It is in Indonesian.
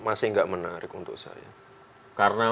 masih nggak menarik untuk saya